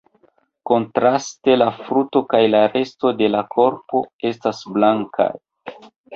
Kontraste la frunto kaj la resto de la korpo estas blankaj.